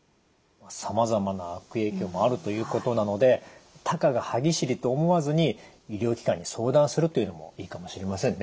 さまざまな悪影響もあるということなのでたかが歯ぎしりと思わずに医療機関に相談するというのもいいかもしれませんね。